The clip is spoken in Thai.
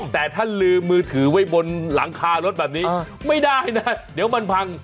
แต่ถ้าลืมมือถือไว้บนหลังคารถแบบนี้ไม่ได้นะเดี๋ยวมันพัง